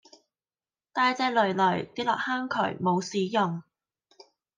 大隻騾騾跌落坑渠冇屎用